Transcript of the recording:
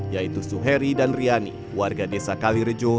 yaitu suheri dan riani warga desa kalirejo